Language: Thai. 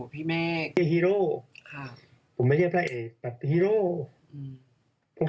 พี่แม่กใช่ครับผมไม่ใช่พระเอกแต่พระธุรกิจ